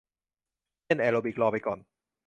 เต้นแอโรบิครอไปก่อน